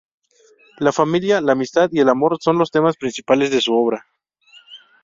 La familia, la amistad y el amor son los temas principales de su obra.